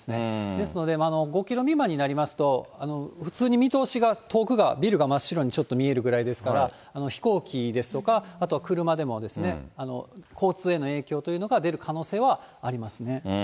ですので、５キロ未満になりますと、普通に見通しが、遠くがビルが真っ白にちょっと見えるぐらいですから、飛行機ですとか、あとは車でもですね、交通への影響というのが出る可能性はありますね。